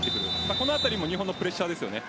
このあたりも日本のプレッシャーですよね。